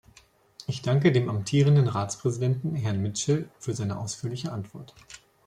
Ich danke dem amtierenden Ratspräsidenten, Herrn Mitchell, für seine ausführliche Antwort.